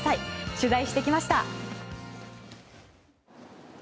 取材してきました。